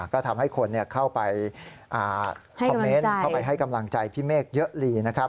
ก็ทำให้คนเข้าไปคอมเมนต์เข้าไปให้กำลังใจพี่เมฆเยอะลีนะครับ